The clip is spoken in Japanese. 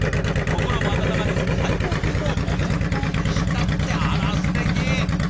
心も温まる最高級のお弁当でした」ってあらすてき！